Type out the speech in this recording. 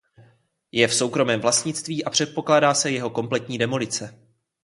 Je v soukromém vlastnictví a předpokládá se jeho kompletní demolice.